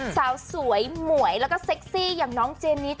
สาวสวยหมวยแล้วก็เซ็กซี่อย่างน้องเจนิส